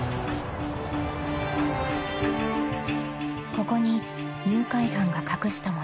［ここに誘拐犯が隠した物。